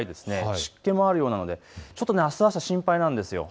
湿気もあるようなのであしたの朝、心配です。